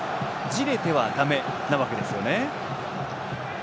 じれてはだめなわけですね。